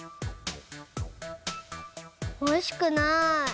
おいしくない。